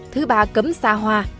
thứ ba cấm xa hoa